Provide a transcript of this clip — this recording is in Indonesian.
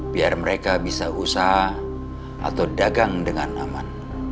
biar mereka bisa usaha atau dagang dengan aman